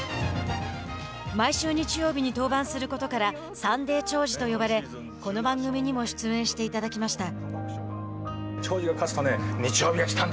毎週日曜日に登板することからサンデー兆治と呼ばれこの番組にも出演していただきました。